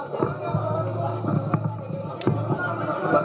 pak pak pak pak